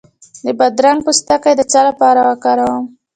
د بادرنګ پوستکی د څه لپاره وکاروم؟